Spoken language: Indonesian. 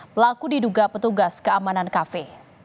pelaku diduga petugas keamanan kafe